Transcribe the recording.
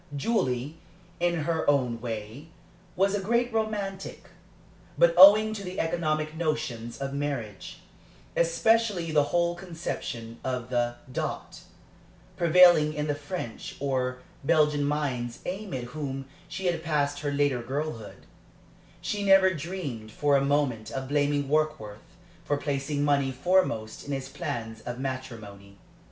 Julie, in her own way, was a great romantic; but owing to the economic notions of marriage, especially the whole conception of the dot, prevailing in the French or Belgian minds amid whom she had passed her later girlhood, she never dreamed for a moment of blaming Warkworth for placing money foremost in his plans of matrimony.